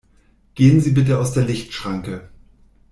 Gehen Sie bitte aus der Lichtschranke!